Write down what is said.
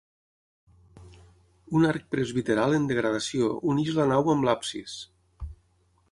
Un arc presbiteral en degradació uneix la nau amb l'absis.